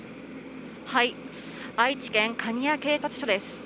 愛知県蟹江警察署です。